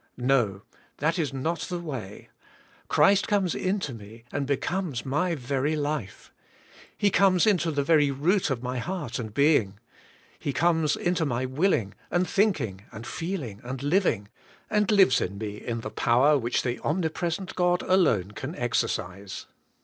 No ! That is not the way. Christ comes into me and becomes my very life. He comes into the very root of my heart and being. He comes into my willing and thinking and feeling and living, and lives in me in the power which the Om nipresent God, alone, can exercise.